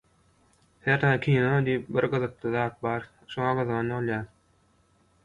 Hernä kino diýip bir gyzykly zat bar, şoňa gyzygan bolýan.